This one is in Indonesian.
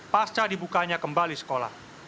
pasca dibukanya kembali sekolah